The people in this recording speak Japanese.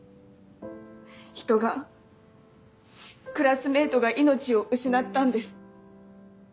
人がクラスメートが命を失ったんです。